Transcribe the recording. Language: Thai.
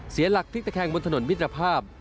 เสียหลักพลิกตะแคงบนถนนมิตรภาพ